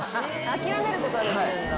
諦めることはできるんだ。